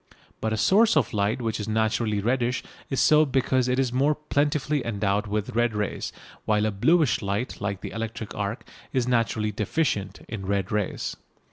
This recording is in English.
But a source of light which is naturally reddish is so because it is more plentifully endowed with red rays, while a bluish light like the electric arc is naturally deficient in red rays.